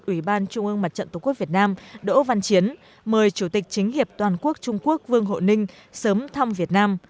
ủy ban trung ương mặt trận tổ quốc việt nam đỗ văn chiến mời chủ tịch chính hiệp toàn quốc trung quốc vương hộ ninh sớm thăm việt nam